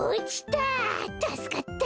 たすかった。